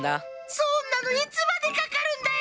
そんなのいつまでかかるんだよ。